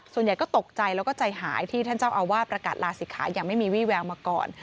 ส่วนใหญ่ก็ตกใจแล้วก็ใจหายที่ท่านเจ้าอาวาสประกาศลาศิกขาอย่างไม่มีวี่แววมาก่อน